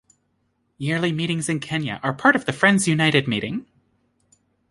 Yearly meetings in Kenya are part of the Friends United Meeting.